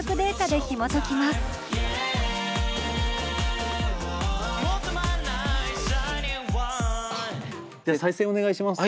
では再生お願いします。